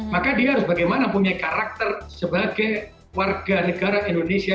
maka dia harus bagaimana punya karakter sebagai warga negara indonesia